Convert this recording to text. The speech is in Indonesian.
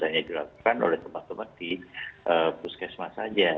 hanya dilakukan oleh tempat tempat di puskesmas saja